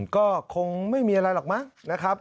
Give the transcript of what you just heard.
ก็คงไม่มีอะไรหรอกมั้งนะครับ